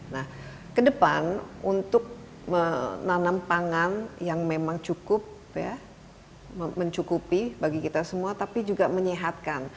nah ke depan untuk menanam pangan yang memang cukup ya mencukupi bagi kita semua tapi juga menyehatkan